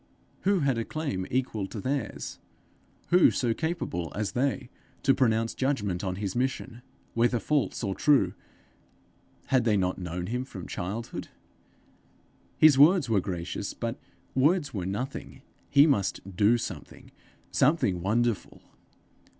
Who had a claim equal to theirs? who so capable as they to pronounce judgment on his mission whether false or true: had they not known him from childhood? His words were gracious, but words were nothing: he must do something something wonderful!